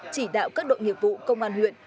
chỉ đạo các đội nghiệp vụ công an huyện